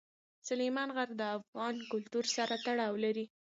سلیمان غر له افغان کلتور سره تړاو لري.